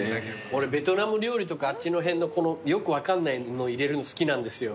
俺ベトナム料理とかあっちの辺のこのよく分かんないの入れるの好きなんですよ。